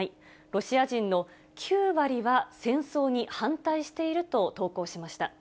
ロシア人の９割は戦争に反対していると投稿しました。